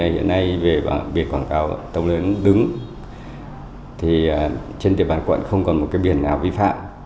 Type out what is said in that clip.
hiện nay về biển quảng cáo tông lớn đứng trên địa bàn quận không còn một biển nào vi phạm